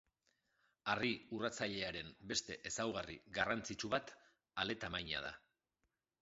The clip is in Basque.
Harri urratzailearen beste ezaugarri garrantzitsu bat ale-tamaina da.